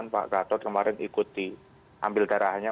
pak gatot kemarin ikuti ambil darahnya